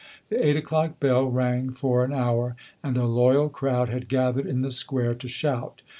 The eight o'clock bell rang for an hour, and a loyal crowd had gathered in the square to shout.